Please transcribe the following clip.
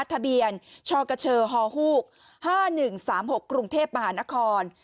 ทะเบียนชกชฮ๕๑๓๖กรุงเทพมหานคร